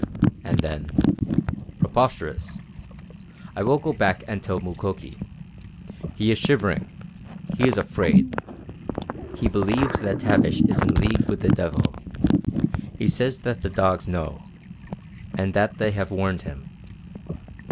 And then: "Preposterous! I will go back and tell Mukoki. He is shivering. He is afraid. He believes that Tavish is in league with the devil. He says that the dogs know, and that they have warned him.